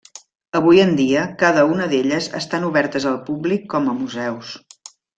Avui en dia cada una d'elles estan obertes al públic com a museus.